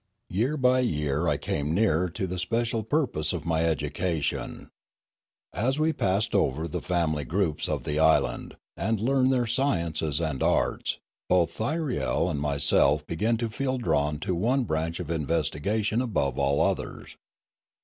Year by year I came nearer to the special purpose of my education. As we passed over the family groups of the island, and learned their sciences and arts, both Thyriel and myself began to feel drawn to one branch of investigation above all others.